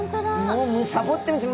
もうむさぼってるんです。